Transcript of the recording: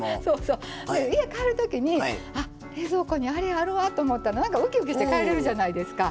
家に帰るときに、冷蔵庫にあれあるわと思ったらうきうきして帰れるじゃないですか。